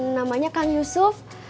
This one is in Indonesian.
namanya kang yusuf